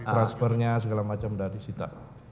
transfernya segala macam sudah disita